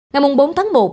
ngày bốn tháng một